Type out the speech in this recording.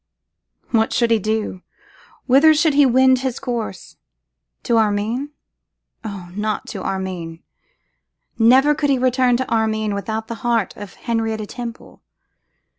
What should he do! whither should he wend his course? To Armine? Oh! not to Armine; never could he return to Armine without the heart of Henrietta Temple.